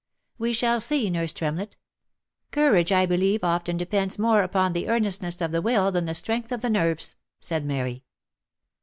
" We shall see, nurse Tremlett. Courage, I believe, often depends more upon the earnestness of the will than the strength of the nerves, ,r said Mary.